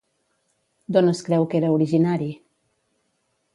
D'on es creu que era originari?